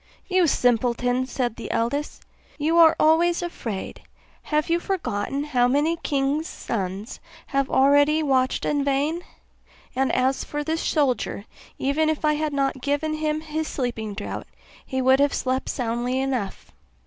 'You simpleton,' said the eldest, 'you are always afraid; have you forgotten how many kings' sons have already watched in vain? And as for this soldier, even if I had not given him his sleeping draught, he would have slept soundly enough.